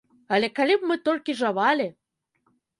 Але калі б мы толькі жавалі!